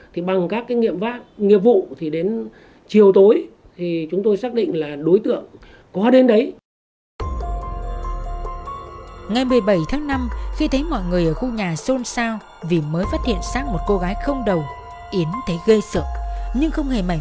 thì bằng các cái nghiệp vụ thì đến chiều tối thì chúng tôi xác định là đối tượng